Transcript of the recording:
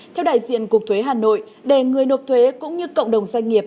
theo đại diện cục thuế hà nội để người nộp thuế cũng như cộng đồng doanh nghiệp